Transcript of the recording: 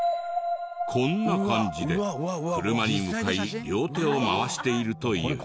こんな感じで車に向かい両手を回しているという。